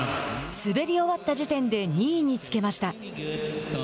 滑り終わった時点で２位につけました。